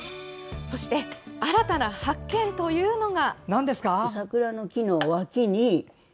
そして新たな発見というのが。